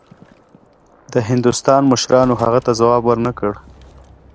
د هندوستان مشرانو هغه ته ځواب ورنه کړ.